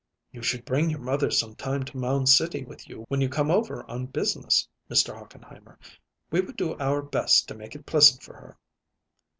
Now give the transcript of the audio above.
"You should bring your mother some time to Mound City with you when you come over on business, Mr. Hochenheimer. We would do our best to make it pleasant for her."